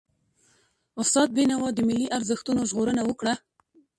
استاد بينوا د ملي ارزښتونو ژغورنه وکړه.